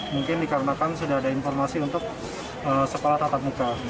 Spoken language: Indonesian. mungkin dikarenakan sudah ada informasi untuk sekolah tatap muka